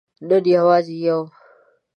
نن یوازې یو